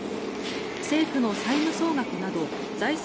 政府の債務総額など財政